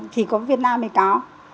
thì có việt nam thì có